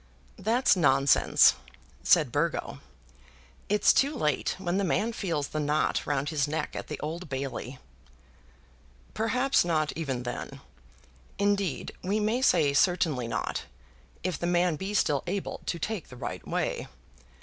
"That's nonsense," said Burgo. "It's too late when the man feels the knot round his neck at the Old Bailey." "Perhaps not, even then. Indeed, we may say, certainly not, if the man be still able to take the right way.